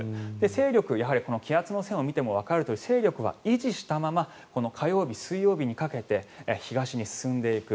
勢力、やはり気圧の線を見てもわかるように勢力は維持したまま火曜日、水曜日にかけて東に進んでいく。